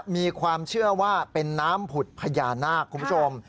มีความเชื่อว่าเป็นน้ำผุดพญานาคคุณผู้ชม